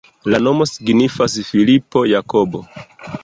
La nomo signifas Filipo-Jakobo.